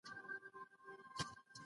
موږ به د هېواد په جوړولو کي برخه واخلو.